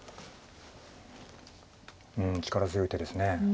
うん力強い手です。